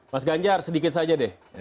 mas ganjar sedikit saja deh